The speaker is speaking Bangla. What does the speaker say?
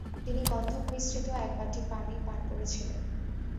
তিনি গণ্ধক মিশ্রিত এক বাটি পানি পান করেছিলেন।